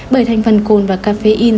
bởi thành phần cồn và cà phê in